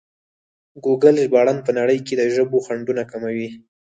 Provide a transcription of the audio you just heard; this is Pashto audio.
ګوګل ژباړن په نړۍ کې د ژبو خنډونه کموي.